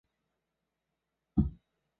在班台闸以下洪河左岸建有洪河分洪道。